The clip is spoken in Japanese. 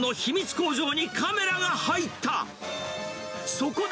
工場にカメラが入った。